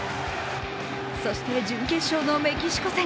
そして準決勝のメキシコ戦。